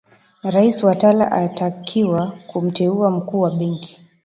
na rais watala atakiwa kumteua mkuu wa benki